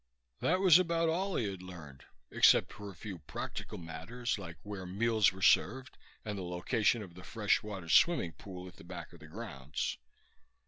That was about all he had learned, except for a few practical matters like where meals were served and the location of the fresh water swimming pool at the back of the grounds.